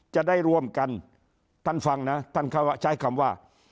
จะได้ร่วมกันท่านฟังนะท่านเขาใช้คำว่า